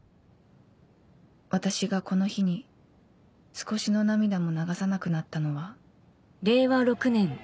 私がこの日に少しの涙も流さなくなったのは